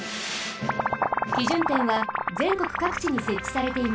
基準点はぜんこくかくちにせっちされています。